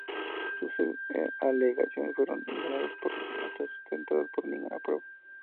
Sus alegaciones fueron ignoradas por no estar sustentadas por ninguna prueba.